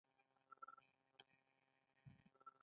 حال دا چې هغه اختیار نه درلود.